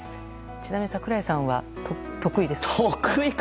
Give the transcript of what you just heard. ちなみに櫻井さんは得意ですか？